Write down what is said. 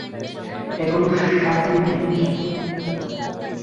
এগুলো স্বাতীর জিনিস।